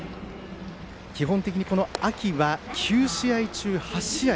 基本的に秋は、９試合中８試合